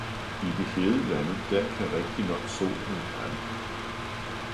I de hede lande, der kan rigtignok solen brænde!